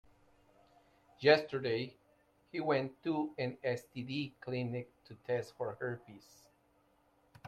Yesterday, he went to an STD clinic to test for herpes.